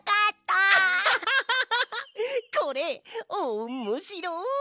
これおっもしろい！